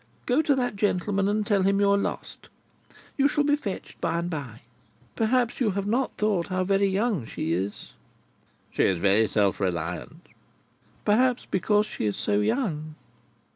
Go to that gentleman and tell him you are lost. You shall be fetched by and by.' Perhaps you have not thought how very young she is?" "She is very self reliant." "Perhaps because she is so young?"